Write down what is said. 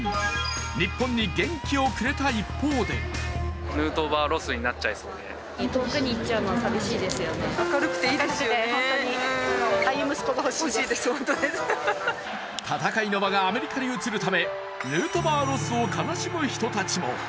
日本に元気をくれた一方で戦いの場がアメリカに移るためヌートバーロスを悲しむ人たちも。